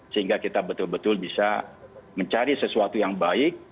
sehingga kita betul betul bisa mencari sesuatu yang baik